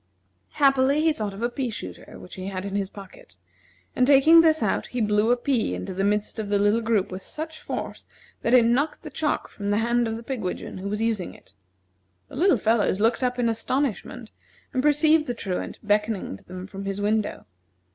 Happily, he thought of a pea shooter which he had in his pocket, and taking this out he blew a pea into the midst of the little group with such force that it knocked the chalk from the hand of the pigwidgeon who was using it. The little fellows looked up in astonishment, and perceived the Truant beckoning to them from his window.